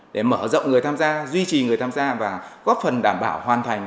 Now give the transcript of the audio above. để mở rộng người tham gia duy trì người tham gia và góp phần đảm bảo hoàn thành